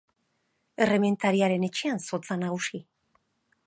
Errementariaren etxean zotza nagusi.